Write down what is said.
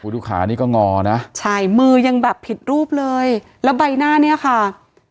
ดูขานี่ก็งอนะใช่มือยังแบบผิดรูปเลยแล้วใบหน้าเนี่ยค่ะ